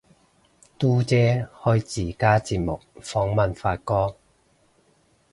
嘟姐開自家節目訪問發哥